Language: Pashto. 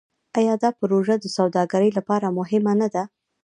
آیا دا پروژه د سوداګرۍ لپاره مهمه نه ده؟